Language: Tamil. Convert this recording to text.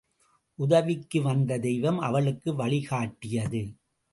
உதவிக்கு வந்த தெய்வம் அவளுக்கு வழி காட்டியது.